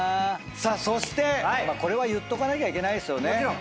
さあそしてこれは言っとかなきゃいけないですよね。